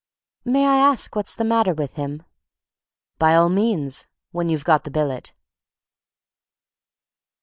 "May I ask what's the matter with him?" "By all means—when you've got the billet."